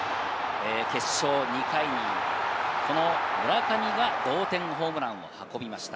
決勝、２回に村上が同点ホームランを運びました。